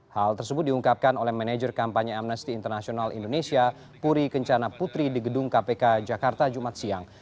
hal tersebut diungkapkan oleh manajer kampanye amnesty international indonesia puri kencana putri di gedung kpk jakarta jumat siang